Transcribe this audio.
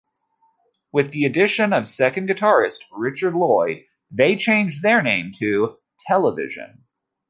With the addition of second guitarist Richard Lloyd they changed their name to Television.